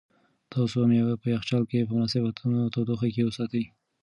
تاسو مېوې په یخچال کې په مناسبه تودوخه کې وساتئ.